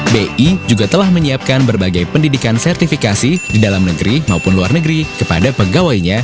bi juga telah menyiapkan berbagai pendidikan sertifikasi di dalam negeri maupun luar negeri kepada pegawainya